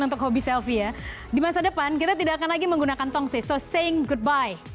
untuk hobi selfie ya di masa depan kita tidak akan lagi menggunakan tongsi so saing goodby